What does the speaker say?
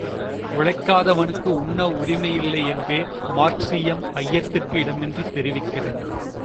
உழைக்காதவனுக்கு உண்ண உரிமை இல்லை என்றே மார்க்சீயம் ஐயத்திற்கு இடமின்றித் தெரிவிக்கிறது.